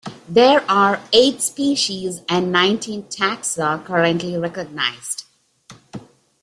There are eight species and nineteen taxa currently recognized.